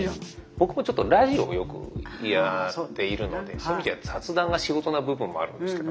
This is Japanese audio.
僕もちょっとラジオをよくやっているのでそういう意味じゃ雑談が仕事な部分もあるんですけども。